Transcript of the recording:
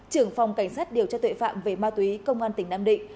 trưởng phòng cảnh sát điều tra tuệ phạm về ma túy công an tỉnh nam định